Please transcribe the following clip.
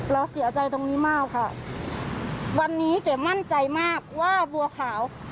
เราเสียใจตรงนี้มากค่ะวันนี้เก๋มั่นใจมากว่าบัวขาว